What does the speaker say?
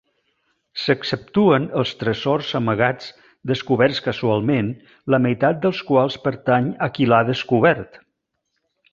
S'exceptuen els tresors amagats, descoberts casualment, la meitat dels quals pertany a qui l'ha descobert.